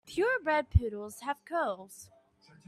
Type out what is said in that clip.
Pure bred poodles have curls.